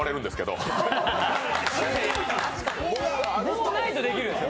棒ないとできるんですよ。